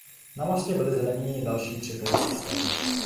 Na mostě byli zraněni další tři policisté.